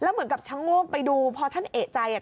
แล้วเหมือนกับชั้นโง่งไปดูพอท่านเอกใจอ่ะ